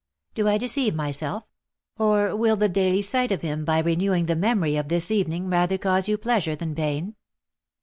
Do I deceive myself? or will the daily sight of him, by renewing the memory of this evening, rather cause you pleasure than pain